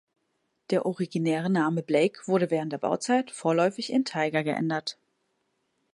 Der originäre Name "Blake" wurde während der Bauzeit vorläufig in "Tiger" geändert.